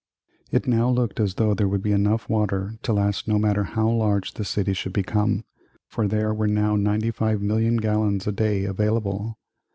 ] It now looked as though there would be enough water to last no matter how large the city should become, for there were now 95,000,000 gallons a day available.